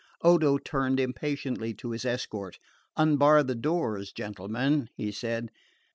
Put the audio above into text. Odo turned impatiently to his escort. "Unbar the doors, gentlemen," he said.